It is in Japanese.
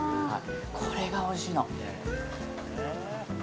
これが、おいしいの。